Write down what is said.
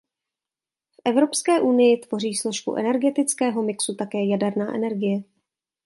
V Evropské unii tvoří složku energetického mixu také jaderná energie.